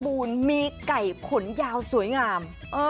มูลมีไก่ขนยาวสวยงาม